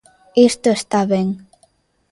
Isto está ben.